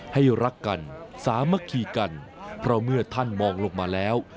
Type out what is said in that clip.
ให้รักกันสามัคคีกันเพราะเมื่อท่านมองลงมาแล้ว